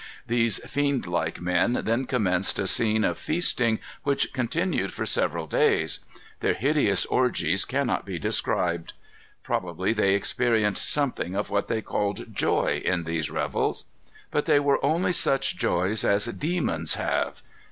These fiend like men then commenced a scene of feasting, which continued for several days. Their hideous orgies cannot be described. Probably they experienced something of what they called joy, in these revels. But they were only such joys as demons have.